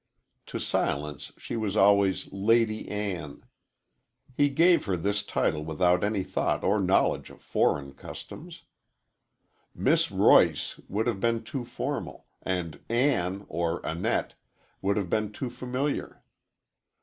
To Silas she was always Lady Ann. He gave her this title without any thought or knowledge of foreign customs. "Miss Roice" would have been too formal, and "Ann" or "Annette" would have been too familiar.